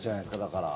だから。